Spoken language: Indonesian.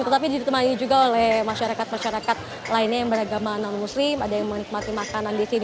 tetapi ditemani juga oleh masyarakat masyarakat lainnya yang beragama non muslim ada yang menikmati makanan di sini